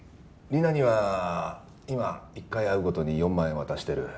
リナには今１回会うごとに４万円渡してる。